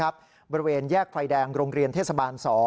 บริเวณแยกไฟแดงโรงเรียนเทศบาล๒